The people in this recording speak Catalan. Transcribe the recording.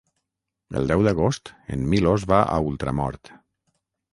El deu d'agost en Milos va a Ultramort.